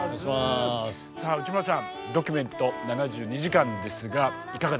さあ内村さん「ドキュメント７２時間」ですがいかがでしょう？